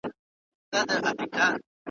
چي یې ومانه خطر وېره ورکیږي `